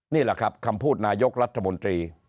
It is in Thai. นี่แหละครับคำพูดนายกรัฐมนตรี